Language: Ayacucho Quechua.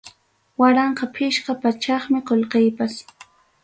Waranqa pichqa pachakmi qollqeypas.